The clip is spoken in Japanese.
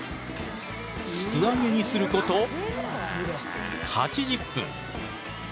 素揚げにすること８０分。